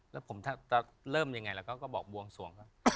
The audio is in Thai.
แล้วผมเริ่มยังไงแล้วก็บอกบวงสวง